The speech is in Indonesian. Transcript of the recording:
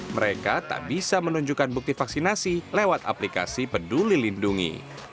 mereka tak bisa menunjukkan bukti vaksinasi lewat aplikasi peduli lindungi